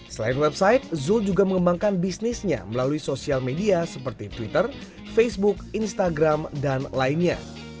selain website zul juga mengembangkan bisnisnya melalui sosial media seperti twitter facebook instagram dan lainnya